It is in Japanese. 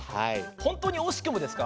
本当に惜しくもですか？